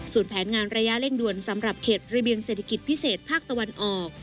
ส่วนแผนงานระยะเร่งด่วนสำหรับเขตระเบียงเศรษฐกิจพิเศษภาคตะวันออก